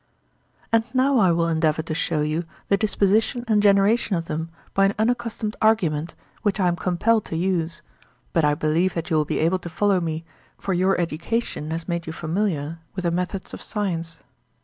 And now I will endeavour to show you the disposition and generation of them by an unaccustomed argument, which I am compelled to use; but I believe that you will be able to follow me, for your education has made you familiar with the methods of science.